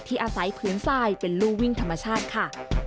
ที่อาศัยผืนซ่ายเป็นลูอวิ่งธรรมชาติค่ะ